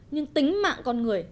nhưng tính mạng con người